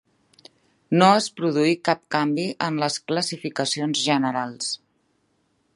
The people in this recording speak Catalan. No es produí cap canvi en les classificacions generals.